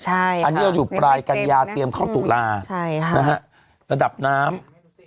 อันนี้เราอยู่ปลายกัญญาเตรียมเข้าตุลาระดับน้ำ